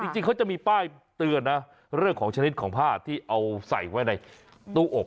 จริงเขาจะมีป้ายเตือนนะเรื่องของชนิดของผ้าที่เอาใส่ไว้ในตู้อบ